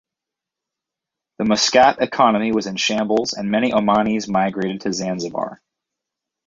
The Muscat economy was in shambles and many Omani's migrated to Zanzibar.